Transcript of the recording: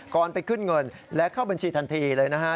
ก่อนไปขึ้นเงินและเข้าบัญชีทันทีเลยนะฮะ